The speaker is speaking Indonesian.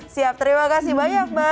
siap terima kasih banyak mbak